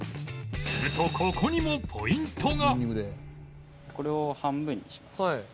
するとここにもポイントが